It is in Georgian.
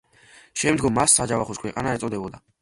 შემდგომ მას საჯავახოს ქვეყანა ეწოდებოდა.